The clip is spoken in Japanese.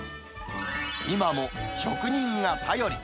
今も職人が頼り。